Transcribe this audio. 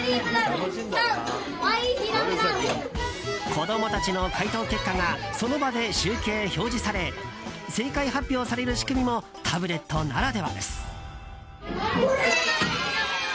子供たちの回答結果がその場で集計・表示され正解発表される仕組みもタブレットならではです。